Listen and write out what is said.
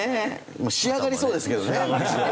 仕上がりそうですけどね。